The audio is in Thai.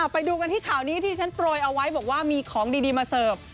ไปดูกันที่ข่าวนี้ที่ฉันโปรยเอาไว้บอกว่ามีของดีมาเสิร์ฟ